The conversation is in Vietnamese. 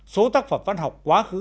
số tác phẩm văn học quá khứ